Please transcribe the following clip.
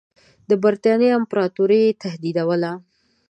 د برټانیې امپراطوري یې تهدیدوله.